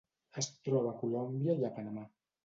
Es troba a Colòmbia i a Panamà.